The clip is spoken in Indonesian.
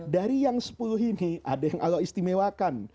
dari yang sepuluh ini ada yang allah istimewakan